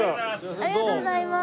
ありがとうございます。